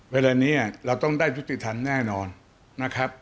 เวลานี้เราต้องได้ยุติธรรมแน่นอนนะครับ